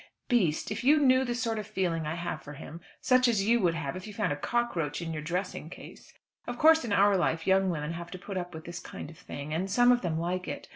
Beast! If you knew the sort of feeling I have for him such as you would have if you found a cockroach in your dressing case. Of course in our life young women have to put up with this kind of thing, and some of them like it.